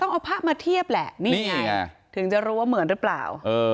เอาพระมาเทียบแหละนี่ไงถึงจะรู้ว่าเหมือนหรือเปล่า